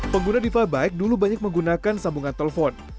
pengguna diva bike dulu banyak menggunakan sambungan telepon